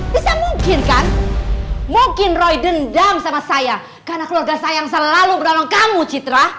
bisa mungkin kan mungkin roy underground sama saya karena keluarga sayang selalu mendorong kamu citra